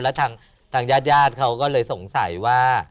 แล้วทางญาติญาติเขาก็เลยสงสัยว่า